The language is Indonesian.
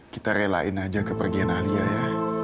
kita relain aja ke pergian alia ya